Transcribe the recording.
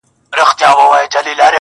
خو چي زه مي د مرګي غېږي ته تللم!.